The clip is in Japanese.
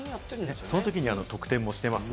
そのときに得点もしています。